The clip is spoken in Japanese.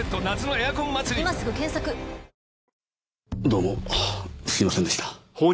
どうもすいませんでした。